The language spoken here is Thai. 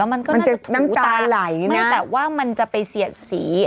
แล้วมันก็น่าจะถูตาน้ำตาไหลนะไม่แต่ว่ามันจะไปเสียดสี